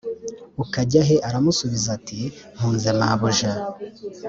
ukajya he aramusubiza ati mpunze mabuja